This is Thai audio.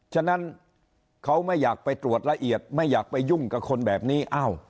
ฉะนั้นเขาไม่อยากไปตรวจละเอียดไม่อยากไปยุ่งกับคนแบบนี้